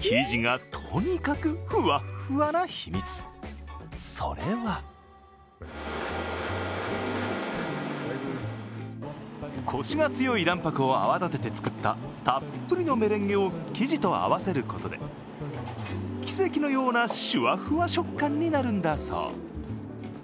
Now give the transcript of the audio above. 生地がとにかく、ふわっふわな秘密それはコシが強い卵白を泡立てて作ったたっぷりのメレンゲを生地と合わせることで、奇跡のようなしゅわふわ食感になるんだそう。